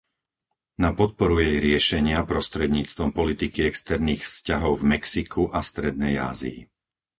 Na podporu jej riešenia prostredníctvom politiky externých vzťahov v Mexiku a strednej Ázii.